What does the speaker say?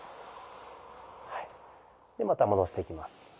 でまた戻していきます。